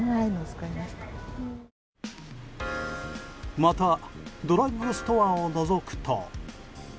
また、ドラッグストアをのぞくと。